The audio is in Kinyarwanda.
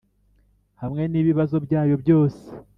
hamwe nibibazo byayo byose